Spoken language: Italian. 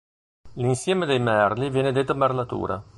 L'insieme dei merli viene detto merlatura.